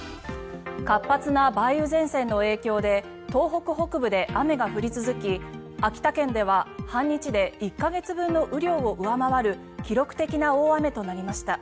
活発な梅雨前線の影響で東北北部で雨が降り続き秋田県では半日で１か月分の雨量を上回る記録的な大雨となりました。